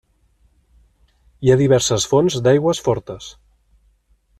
Hi ha diverses fonts d'aigües fortes.